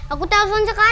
aku telpon sekarang